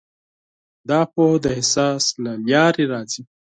دا پوهه د احساس له لارې راځي.